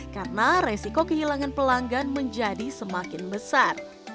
karena resiko kehilangan pelanggan menjadi semakin besar